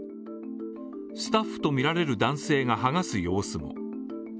スタッフとみられる男性がはがす様子も。